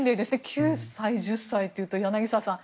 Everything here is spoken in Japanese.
９歳、１０歳というと柳澤さん